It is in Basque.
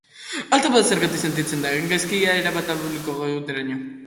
Alta bada, zergatik sentitzen da hain gaizki ia erabat abulikoa egoteraino?